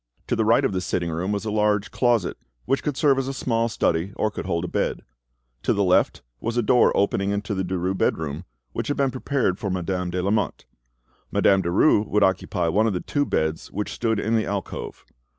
To the right of the sitting room was a large closet, which could serve as a small study or could hold a bed; to the left was a door opening into the Derues' bedroom, which had been prepared for Madame de Lamotte. Madame Derues would occupy one of the two beds which stood in the alcove.